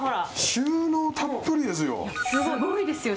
収納たっぷりですよ。